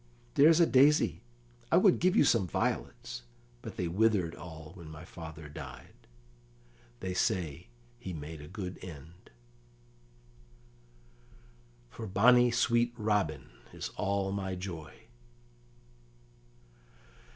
There's a daisy; I would give you some violets, but they withered all when my father died; they say he made a good end, For bonny sweet Robin is all my joy."